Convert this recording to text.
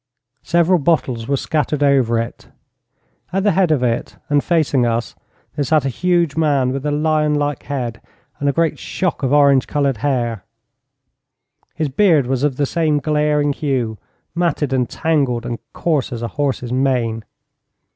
Several bottles were scattered over it. At the head of it, and facing us, there sat a huge man with a lion like head and a great shock of orange coloured hair. His beard was of the same glaring hue; matted and tangled and coarse as a horse's mane.